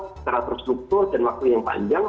secara terstruktur dan waktu yang panjang